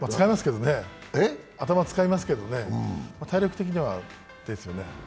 頭は使いますけどね、体力的にはですよね。